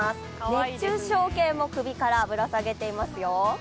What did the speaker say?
熱中症計も首からぶら下げていますよ。